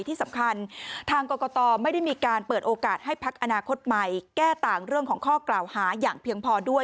ที่สำคัญทางกรกตไม่ได้มีการเปิดโอกาสให้พักอนาคตใหม่แก้ต่างเรื่องของข้อกล่าวหาอย่างเพียงพอด้วย